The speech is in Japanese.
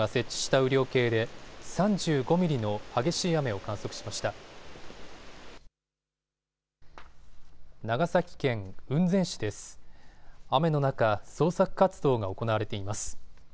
雨の中、捜索活動が行われています。